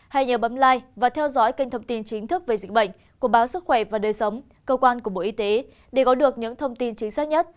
hay nhờ bấm lai và theo dõi kênh thông tin chính thức về dịch bệnh của báo sức khỏe và đời sống cơ quan của bộ y tế để có được những thông tin chính xác nhất